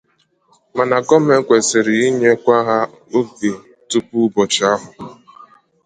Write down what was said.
mana gọọmenti kwesiri inyekwu ha oge tupuu ụbọchị ahụ.